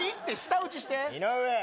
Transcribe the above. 井上。